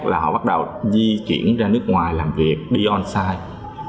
là họ bắt đầu di chuyển ra nước ngoài làm việc đi on site